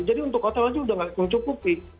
jadi untuk hotel saja sudah tidak mencukupi